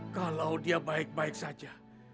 kalau dia baik baik saja